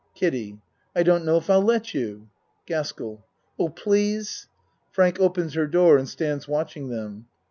KIDDIE I don't know if I'll let you. GASKELL Oh, please. (Frank opens her door and stands watching them.)